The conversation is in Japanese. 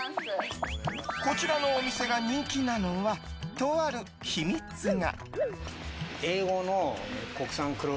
こちらのお店が人気なのはとある秘密が。